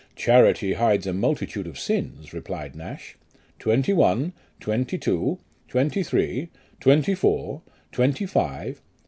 "Charity hides a multitude of sins," replies Nash. " Twenty one, twenty two, twenty three, twenty four, twenty five."